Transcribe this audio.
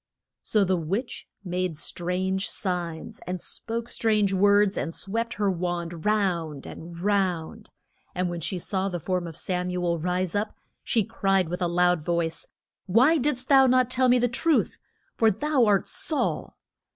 So the witch made strange signs and spoke strange words, and swept her wand round and round. And when she saw the form of Sam u el rise up, she cried with a loud voice, Why did'st thou not tell me the truth? for thou art Saul!